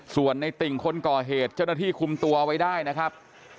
ส่วนในติ่งคนก่อเหตุเจ้าหน้าที่คุมตัวไว้ได้นะครับ